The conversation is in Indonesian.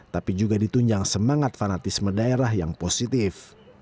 tapi juga ditunjang semangat fanatisme daerah yang positif